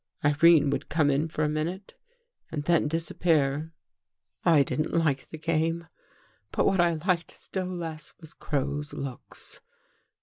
Irene would come in for a minute and then disappear. " I didn't like the game, but what I liked still less, was Crow's looks.